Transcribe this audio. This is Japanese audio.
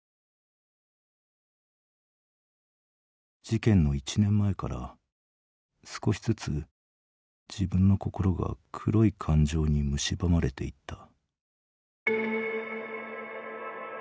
「事件の１年前から少しずつ自分の心が黒い感情にむしばまれていった」。